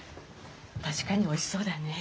確かにおいしそうだね。